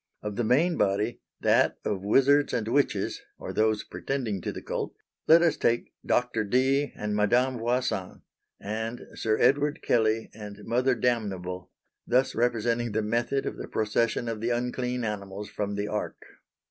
Of the main body, that of Wizards and Witches or those pretending to the cult, let us take Doctor Dee and Madame Voisin, and Sir Edward Kelley and Mother Damnable thus representing the method of the procession of the unclean animals from the Ark.